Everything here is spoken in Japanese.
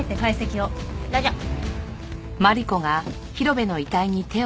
ラジャー。